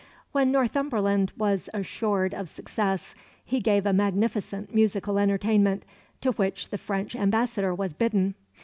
When Northumberland was assured of success he gave a magnificent musical entertainment, to which the French ambassador was bidden.